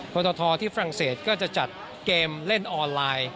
ตทที่ฝรั่งเศสก็จะจัดเกมเล่นออนไลน์